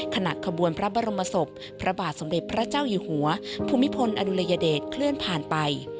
ขบวนพระบรมศพพระบาทสมเด็จพระเจ้าอยู่หัวภูมิพลอดุลยเดชเคลื่อนผ่านไป